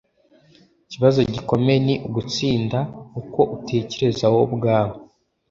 “ikibazo gikomeye ni ugutsinda uko utekereza wowe ubwawe.”